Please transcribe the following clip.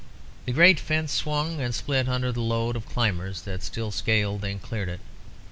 The great fence swung and split under the load of climbers that still scaled and cleared it.